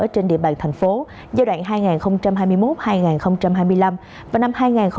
trên địa bàn thành phố giai đoạn hai nghìn hai mươi một hai nghìn hai mươi năm và năm hai nghìn hai mươi một hai nghìn hai mươi hai